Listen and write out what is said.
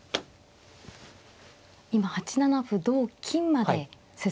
今８七歩同金まで進みました。